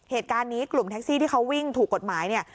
เหตุการณ์นี้กลุ่มแท็กซี่ที่เขาวิ่งถูกกฎหมายเนี่ย